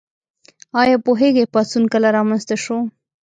ایا پوهیږئ پاڅون کله رامنځته شو؟